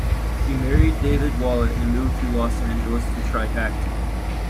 She married David Wallett, and moved to Los Angeles to try acting.